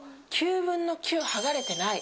９分の９、剥がれてない。